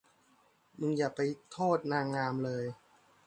มึงอย่าไปโทษนางงามเลย